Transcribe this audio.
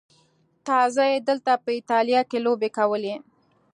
تازه یې دلته په ایټالیا کې لوبې کولې.